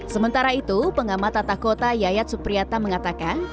sementara itu pengamat tata kota yayat supriyata mengatakan